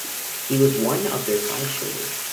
He was one of their five children.